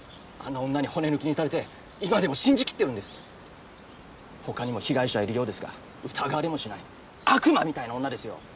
あの女に骨抜きにされて今でも信じきってるんですほかにも被害者はいるようですが疑われもしない悪魔みたいな女ですよ